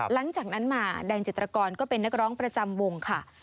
หลังจากนั้นมาแดงจิตรกรก็เป็นนักร้องประจำวงค่ะ